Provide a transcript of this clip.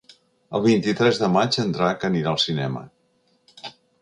El vint-i-tres de maig en Drac anirà al cinema.